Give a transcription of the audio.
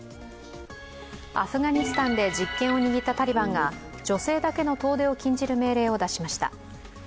アフガニスタンで実権を握ったタリバンが女性だけの遠出を禁じる命令を出しました。